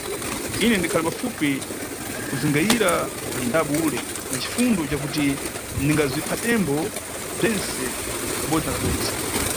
Ine, ndikhali pafupi kudzungayira na mʼdabwo ule na cifundo cakuti ndibziphatembo bzentse kabodzi na kabodzi!